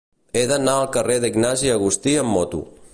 He d'anar al carrer d'Ignasi Agustí amb moto.